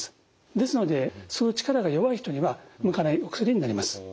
ですので吸う力が弱い人には向かないお薬になります。